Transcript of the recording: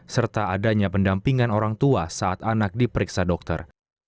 serta adanya pendampingan orang tua saat anak diperiksa dokter